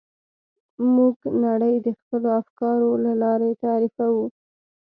موږ نړۍ د خپلو افکارو له لارې تعریفوو.